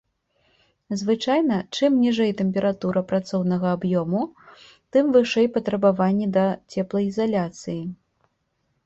Звычайна, чым ніжэй тэмпература працоўнага аб'ёму, тым вышэй патрабаванні да цеплаізаляцыі.